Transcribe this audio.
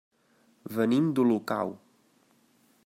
Venim d'Olocau.